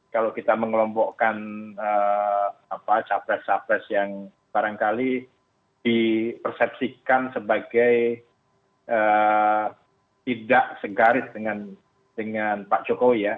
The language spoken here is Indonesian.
kalau kita mengelompokkan capres capres yang barangkali dipersepsikan sebagai tidak segaris dengan pak jokowi ya